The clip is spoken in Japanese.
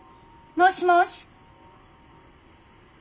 もしもし。